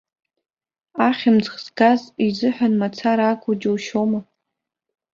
Ахьымӡӷ згаз изыҳәан мацара акәу џьушьома?